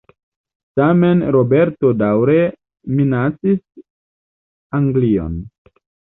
Tamen Roberto daŭre minacis Anglion.